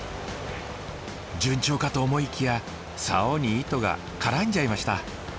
順調かと思いきやサオに糸が絡んじゃいました。